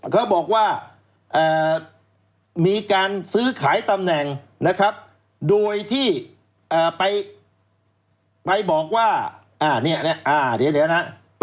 เขาบอกว่ามีการซื้อขายตำแหน่งนะครับโดยที่ไปบอกว่าเนี่ยเดี๋ยวนะ